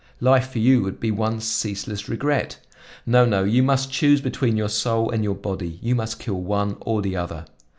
Life for you would be one ceaseless regret. No, no, you must choose between your soul and your body; you must kill one or the other.